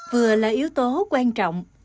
vừa là yếu tố quan trọng